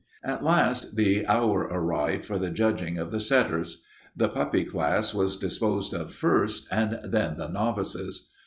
At last the hour arrived for the judging of the setters. The puppy class was disposed of first, and then the novices.